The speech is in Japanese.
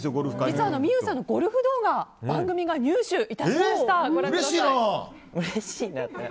実は望結さんのゴルフ動画を番組が入手いたしました。